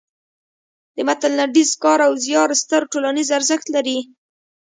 د متن لنډیز کار او زیار ستر ټولنیز ارزښت لري.